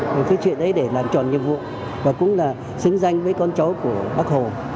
cái chuyện đấy để làm trọn nhiệm vụ và cũng là xứng danh với con cháu của bác hồ